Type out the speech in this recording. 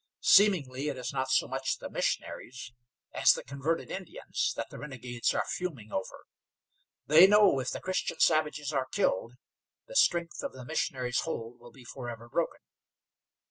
Seemingly it is not so much the missionaries as the converted Indians, that the renegades are fuming over. They know if the Christian savages are killed, the strength of the missionaries' hold will be forever broken.